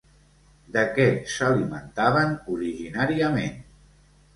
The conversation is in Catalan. De què s'alimentaven originàriament?